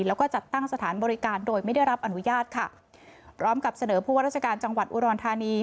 แล้วก็จัดตั้งสถานบริการโดยไม่ได้รับอนุญาตค่ะพร้อมกับเสนอผู้ว่าราชการจังหวัดอุดรธานี